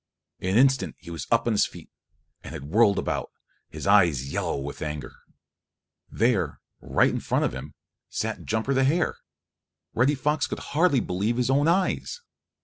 In an instant he was on his feet and had whirled about, his eyes yellow with anger. There right in front of him sat Jumper the Hare. Reddy Fox could hardly believe his own eyes!